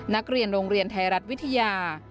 นักเรียนโรงเรียนไทยรัฐวิทยา